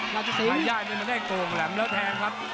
ทายาทนี่มันได้โกงแหลมแล้วแทงครับ